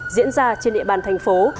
diễn ra trên địa bàn thành phố